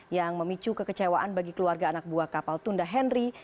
yang memicu kekecewaan bagi keluarga anak buah kapal tunda henry